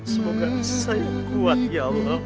semoga bisa kuat ya allah